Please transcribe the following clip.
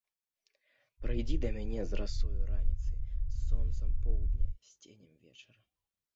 Прыйдзі да мяне з расою раніцы, з сонцам поўдня, з ценем вечара.